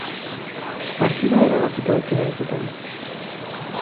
Partida erabakita utzi nahi zuten.